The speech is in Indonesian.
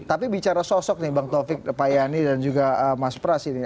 tapi bicara sosok nih bang taufik pak yani dan juga mas pras ini